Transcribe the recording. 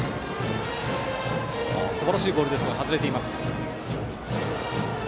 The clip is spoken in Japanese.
すばらしいボールでしたが外れています。